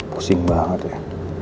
pusing banget ya